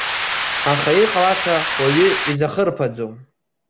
Аха иҟалаша уаҩы изахырԥаӡом.